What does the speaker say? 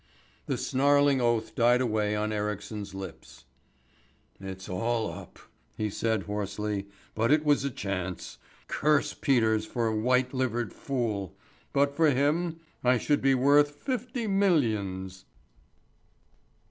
The snarling oath died away on Ericsson's lips. "It's all up," he said hoarsely, "but it was a chance. Curse Peters for a white livered fool. But for him I should be worth fifty millions."